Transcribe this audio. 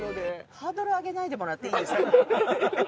ハードル上げないでもらっていいですか？